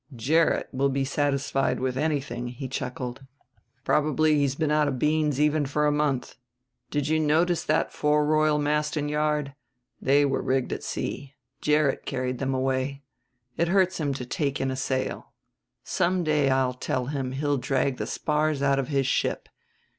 "Gerrit will be satisfied with anything," he chuckled. "Probably he's been out of beans even for a month. Did you notice that fore royal mast and yard? They were rigged at sea: Gerrit carried them away. It hurts him to take in a sail. Some day I tell him he'll drag the spars out of his ship.